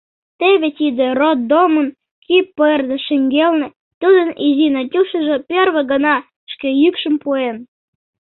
Теве тиде роддомын кӱ пырдыж шеҥгелне тудын изи Надюшыжо первый гана шке йӱкшым пуэн.